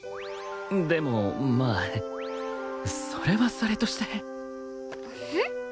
でもまあそれはそれとしてん？